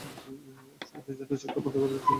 এক সেকেন্ডের জন্য চোখটা বন্ধ করেছিলাম শুধু, ভাই!